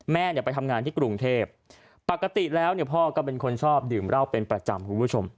แม่เนี่ยไปทำงานที่กรุงเทพปกติแล้วเนี่ยพ่อก็เป็นคนชอบดื่มเหล้าเป็นประจำคุณผู้ชม